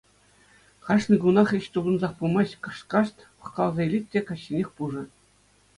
Кашни кунах ĕç тупӑнсах пымасть, кӑшт-кӑшт пӑхкаласа илет те каҫченех пушӑ.